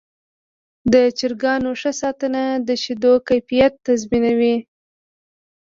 د چرګانو ښه ساتنه د شیدو کیفیت تضمینوي.